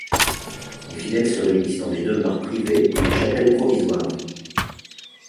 Les fidèles se réunissent dans des demeures privées ou des chapelles provisoires.